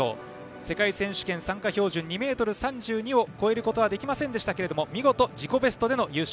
世界選手権参加標準２ｍ３２を越えることはできませんでしたが見事、自己ベストでの優勝。